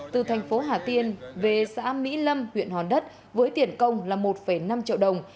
từ thành phố hà tiên về xã mỹ lâm huyện hòn đất với tiền công là một năm triệu đồng